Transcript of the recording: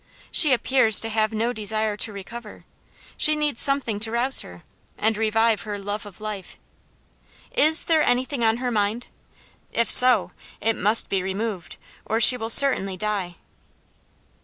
She appears to have no desire to recover; she needs something to rouse her, and revive her love of life. Is there anything on her mind? If so, it must be removed, or she will certainly die."